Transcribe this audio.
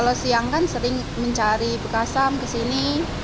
terus kalau siang kan sering mencari bekasam kesini